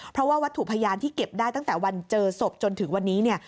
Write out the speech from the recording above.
เพราะว่าวัตถุพยานที่เก็บได้ตั้งแต่วันเจอศพจนถึงวันนี้เนี่ย